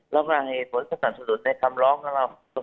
เราก็ไว้เปลี่ยนตัวสรรสนุนในคำร้องระหลังของเรา